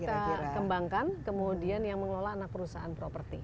kita kembangkan kemudian yang mengelola anak perusahaan properti